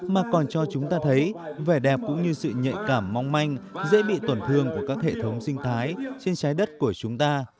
mà còn cho chúng ta thấy vẻ đẹp cũng như sự nhạy cảm mong manh dễ bị tổn thương của các hệ thống sinh thái trên trái đất của chúng ta